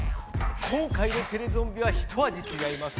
今回のテレゾンビはひとあじちがいます。